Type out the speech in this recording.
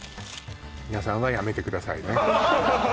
皆さんはやめてくださいね